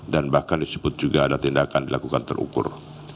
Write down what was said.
dan bahkan disebut juga ada tindakan dilakukan terukur